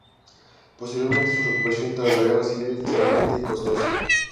Posteriormente, su recuperación tras la guerra civil, será lenta y costosa.